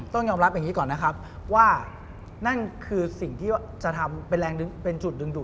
ต้องยอมรับอย่างนี้ก่อนนะครับว่านั่นคือสิ่งที่จะทำเป็นแรงดึงเป็นจุดดึงดูด